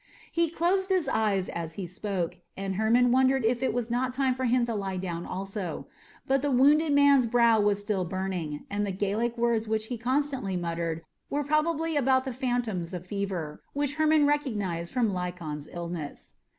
He closed his eyes as he spoke, and Hermon wondered if it was not time for him to lie down also; but the wounded man's brow was still burning, and the Gallic words which he constantly muttered were probably about the phantoms of fever, which Hermon recognised from Lycon's illness.